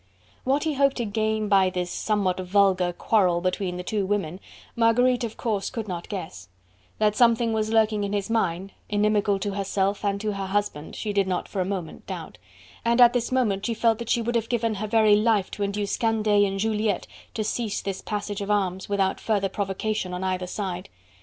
What he hoped to gain by this somewhat vulgar quarrel between the two women, Marguerite of course could not guess: that something was lurking in his mind, inimical to herself and to her husband, she did not for a moment doubt, and at this moment she felt that she would have given her very life to induce Candeille and Juliette to cease this passage of arms, without further provocation on either side.